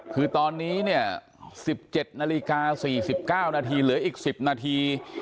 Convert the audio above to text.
คือตอนนี้เนี่ย๑๗นาฬิกา๔๙นาทีเหลืออีก๑๐นาที